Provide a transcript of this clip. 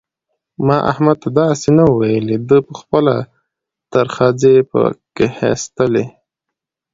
ما احمد ته داسې نه وو ويلي؛ ده په خپله ترخځي په کښېيستلې.